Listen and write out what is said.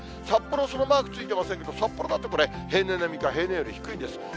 札幌、そのマークついてませんけども、札幌だってこれ、平年並みか平年より低いです。